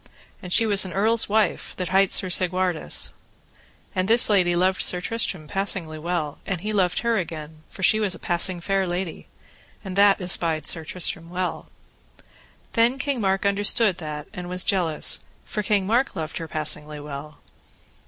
And she was an earl's wife that hight Sir Segwarides. And this lady loved Sir Tristram passingly well. And he loved her again, for she was a passing fair lady, and that espied Sir Tristram well. Then King Mark understood that and was jealous, for King Mark loved her passingly well.